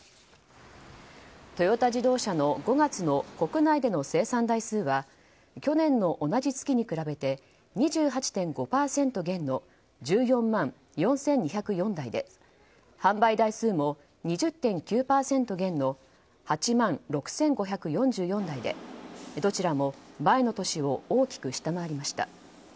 トヨタ自動車の５月の国内での生産台数は去年の同じ月に比べて２８．５％減の１４万４２０４台で販売台数も２０．９％減の８万６５４４台でどちらも前の年を大きく下回りました。